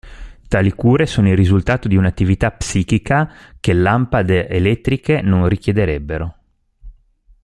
Tali cure sono il risultato di un'attività psichica che lampade elettriche non richiederebbero.